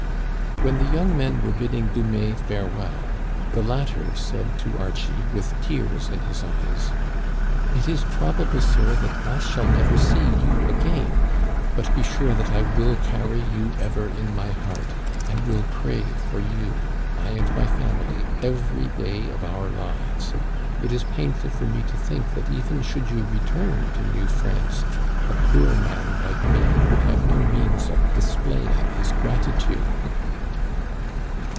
When the young men were bidding Dumais farewell, the latter said to Archie with tears in his eyes :" It is probable, sir, that I shall never see you again, but be sure that I will carry you ever in my heart, and will pray for you, I and my family, every day of our Digitized by VjOOQIC A SUPPER. 89 lives. It is painful for me to think that even should you return to New France, a poor man like me would have no means of displaying his gratitude."